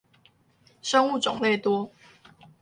生物種類多